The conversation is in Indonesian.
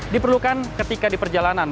diperlukan ketika di perjalanan